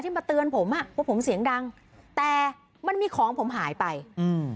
มาเตือนผมอ่ะว่าผมเสียงดังแต่มันมีของผมหายไปอืม